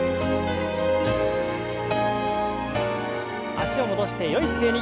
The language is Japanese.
脚を戻してよい姿勢に。